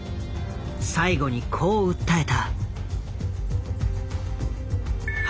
最後にこう訴えた。